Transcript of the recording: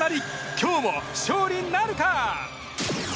今日も勝利なるか？